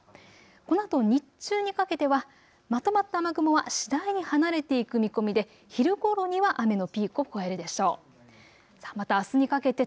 このあと日中にかけてはまとまった雨雲は次第に離れていく見込みで昼ごろには雨のピークを越えるでしょう。